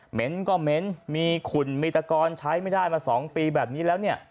เหม็นก็เหม็นมีขุนมิตรกรใช้ไม่ได้มาสองปีแบบนี้แล้ว